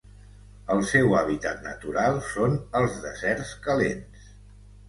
El seu hàbitat natural són els deserts calents.